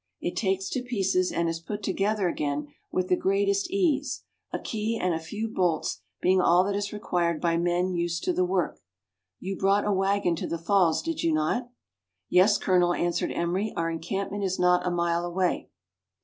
It takes to pieces, and is put together again with the great est ease, a key and a few bolts being all that is required by men used to the work. You brought a waggon to the falls, did you not .?"" Yes, Colonel," answered Emery, " our encampment is not a mile away."